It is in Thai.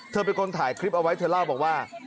เธอเป็นคนถ่ายคลิปเอาไว้เธอเล่าบอกว่า